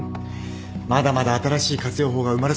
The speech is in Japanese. まだまだ新しい活用法が生まれそうだもんね。